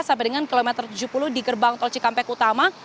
sampai dengan kilometer tujuh puluh di gerbang tol cikampek utama